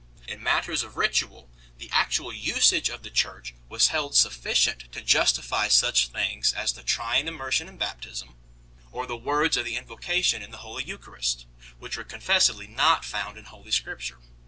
In matters of ritual, the actual usage of the Church was held sufficient to justify such things as the trine immersion in baptism, or the words of the Invocation in the Holy Eucharist, which were confessedly not found in Holy Scripture 1